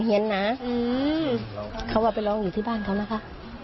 เห็นนะเขาว่าไปร้องอยู่ที่บ้านเขานะคะ